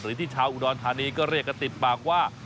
ที่ชาวอุดรธานีก็เรียกกันติดปากว่า